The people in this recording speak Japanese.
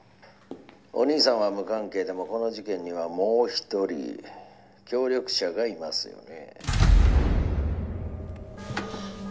お兄さんは無関係でもこの事件にはもう一人協力者がいますよね？